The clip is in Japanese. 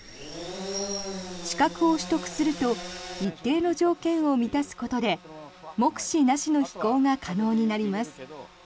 資格を取得すると一定の条件を満たすことで目視なしの飛行が可能になります。